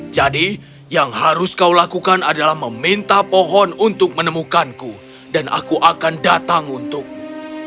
jadi yang harus kau lakukan adalah meminta pohon untuk menemukanku dan aku akan datang untukmu